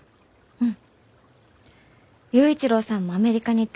うん。